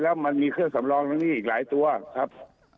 แล้วมันมีเครื่องสำรองทั้งนี้อีกหลายตัวครับ